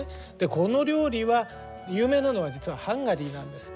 この料理は有名なのは実はハンガリーなんです。